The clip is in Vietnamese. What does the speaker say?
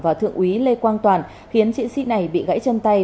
vào thượng úy lê quang toàn khiến triển sĩ này bị gãy chân tay